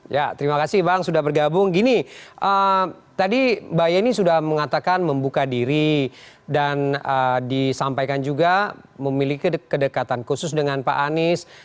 ya terima kasih bang sudah bergabung gini tadi mbak yeni sudah mengatakan membuka diri dan disampaikan juga memiliki kedekatan khusus dengan pak anies